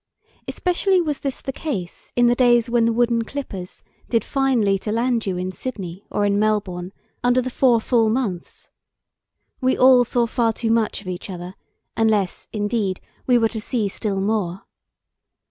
Especially was this the case in the days when the wooden clippers did finely to land you in Sydney or in Melbourne under the four full months. We all saw far too much of each other, unless, indeed, we were to see still more.